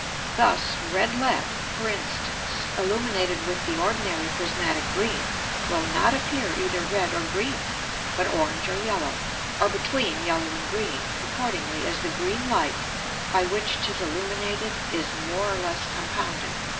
Thus red Lead (for instance) illuminated with the ordinary prismatick green will not appear either red or green, but orange or yellow, or between yellow and green, accordingly as the green Light by which 'tis illuminated is more or less compounded.